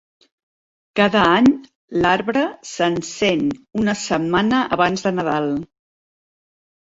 Cada any l'arbre s'encén una setmana abans de Nadal.